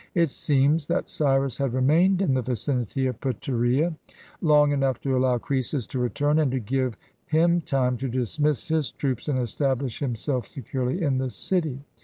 It seems that Cyrus had remained in the vicinity of Pteria long enough to allow Croesus to return, and to give him time to dismiss his troops and establish himself securely in the city.